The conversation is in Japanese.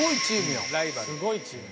すごいチームやん！